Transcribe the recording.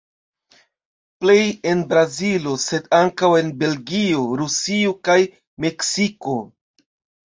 Plej en Brazilo, sed ankaŭ en Belgio, Rusio kaj Meksiko.